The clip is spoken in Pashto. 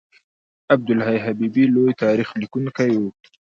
عبدالحی حبیبي لوی تاریخ لیکونکی و.